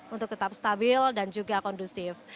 untuk tetap stabil dan juga kondusif